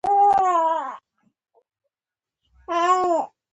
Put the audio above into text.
چوکۍ د ادب ناستې ته اړتیا ده.